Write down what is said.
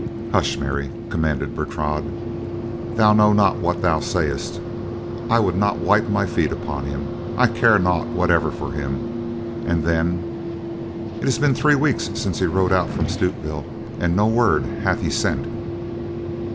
"Hush, Mary!" commanded Bertrade. "Thou know not what thou sayest. I would not wipe my feet upon him, I care naught whatever for him, and then—it has been three weeks since he rode out from Stutevill and no word hath he sent."